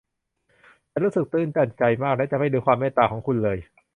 ฉันรู้สึกตื้นตันใจมากและจะไม่ลืมความเมตตาของคุณเลย